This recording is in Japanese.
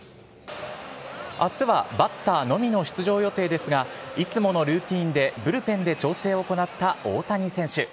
あすはバッターのみの出場予定ですが、いつものルーティンでブルペンで調整を行った大谷選手。